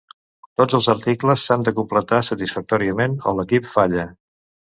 Tots els articles s'han de completar satisfactòriament o l'equip falla.